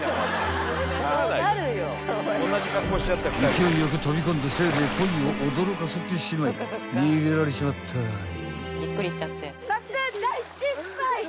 ［勢いよく飛び込んだせいでコイを驚かせてしまい逃げられちまったい］